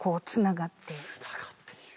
つながってる。